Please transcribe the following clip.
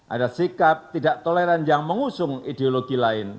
ada sikap tidak toleran yang mengusung ideologi lain